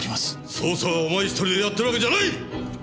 捜査はお前１人でやってるわけじゃない！